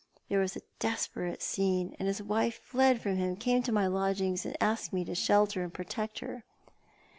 There was a desperate scene ; and his wife fled from him, came to my lodgings, and asked me to shelter and protect her.